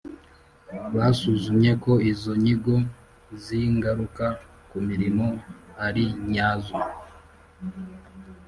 Basuzumye ko izo nyigo z ingaruka ku mirimo ari nyazo